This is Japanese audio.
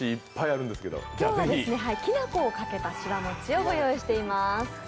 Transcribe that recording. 今日はきな粉をかけたしわもちをご用意しています。